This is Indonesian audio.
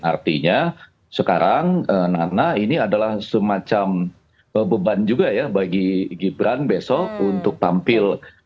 artinya sekarang nana ini adalah semacam beban juga ya bagi gibran besok untuk tampil